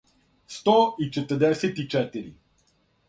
сто и четрдесет и четири